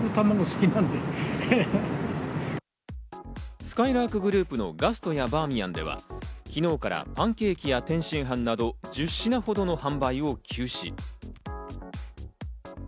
すかいらーくグループのガストやバーミヤンでは、昨日からパンケーキや天津飯など１０品ほどの販売を休止。